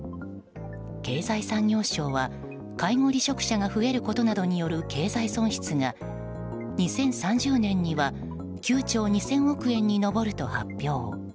経済産業省は介護離職者が増えることなどによる経済損失が２０３０年には９兆２０００億円に上ると発表。